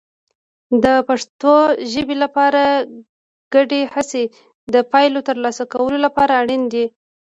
د پښتو ژبې لپاره ګډې هڅې د پایلو ترلاسه کولو لپاره اړین دي.